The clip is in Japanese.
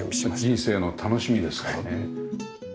人生の楽しみですからね。